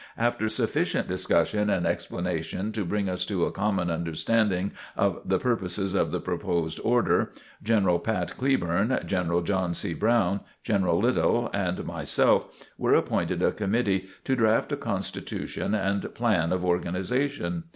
After sufficient discussion and explanation to bring us to a common understanding of the purposes of the proposed order, General Pat Cleburne, General John C. Brown, General Liddell and myself were appointed a committee to draft a constitution and plan of organization.